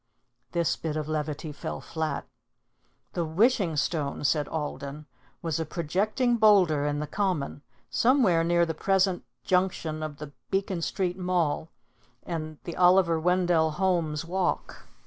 This bit of levity fell flat. "The Wishing Stone,[A]" said Alden, "was a projecting boulder in the Common, somewhere near the present junction of the Beacon Street mall and the Oliver Wendell Holmes walk.